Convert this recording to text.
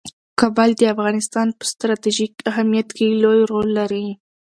کابل د افغانستان په ستراتیژیک اهمیت کې لوی رول لري.